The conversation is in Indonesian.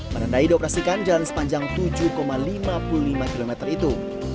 menandai dioperasikan jalan sepanjang tujuh lima puluh lima km itu